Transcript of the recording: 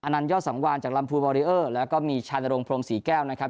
นันยอดสังวานจากลำพูนบอริเออร์แล้วก็มีชานรงพรมศรีแก้วนะครับ